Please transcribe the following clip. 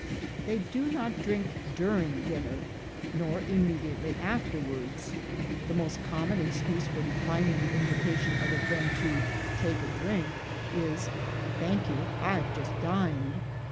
They do not drink during dinner, nor immediately afterwards. The most common excuse for declining the invitation of a friend to "take a drink," is "Thank you, I've just dined."